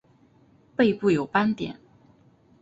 背部有斑点。